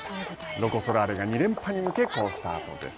ロコ・ソラーレが２連覇に向け好スタートです。